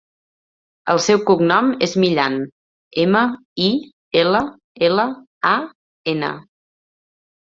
El seu cognom és Millan: ema, i, ela, ela, a, ena.